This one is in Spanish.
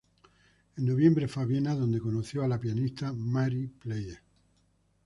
En noviembre fue a Viena, donde conoció a la pianista Marie Pleyel.